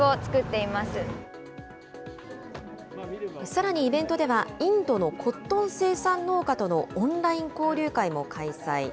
さらにイベントでは、インドのコットン生産農家とのオンライン交流会も開催。